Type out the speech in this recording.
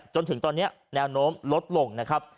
จนถึงตอนนี้แนวโน้มลดลงนะครับ